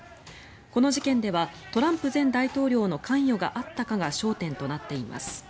この事件ではトランプ前大統領の関与があったかが焦点となっています。